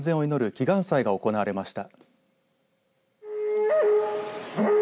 祈願祭が行われました。